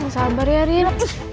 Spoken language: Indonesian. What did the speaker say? sabar ya rin